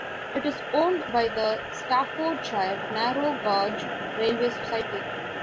It is owned by the Staffordshire Narrow Gauge Railway Society.